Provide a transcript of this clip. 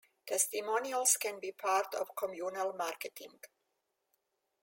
Testimonials can be part of communal marketing.